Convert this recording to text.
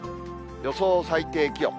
予想最低気温。